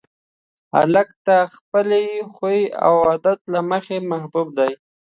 هلک د خپل خوی او عادت له مخې محبوب دی.